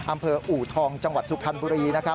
อูทองจังหวัดสุพรรณบุรีนะครับ